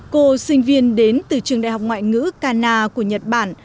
cô sinh viên đến từ trường đại học ngoại ngữ kana của nhật bản